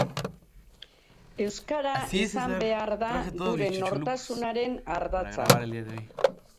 Euskara izan behar da gure nortasunaren ardatza.